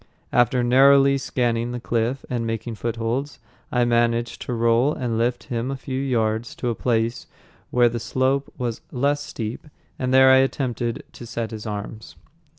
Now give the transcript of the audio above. After narrowly scanning the cliff and making footholds, I managed to roll and lift him a few yards to a place where the slope was less steep, and there I attempted to set his arms.